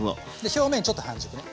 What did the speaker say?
表面ちょっと半熟ね。